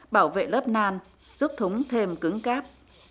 bảo vệ lớp nan giúp thúng thêm cứng cáp